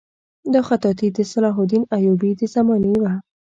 دا خطاطي د صلاح الدین ایوبي د زمانې وه.